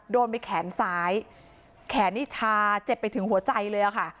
โดนไปแขนซ้ายแขนนี่ชาเจ็บไปถึงหัวใจเลยค่ะ